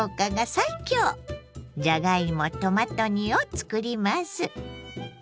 じゃがいもトマト煮をつくります。